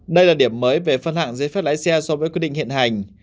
đây là điểm mới về phân hạng giấy phép lái xe so với quy định hiện hành